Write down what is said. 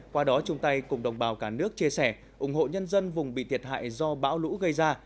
qua đó chung tay cùng đồng bào cả nước chia sẻ ủng hộ nhân dân vùng bị thiệt hại do bão lũ gây ra